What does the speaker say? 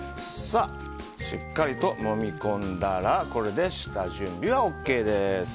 しっかりともみ込んだらこれで下準備はＯＫです。